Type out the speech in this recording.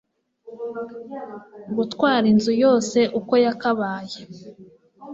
Gutwara inzu yose uko yakabaye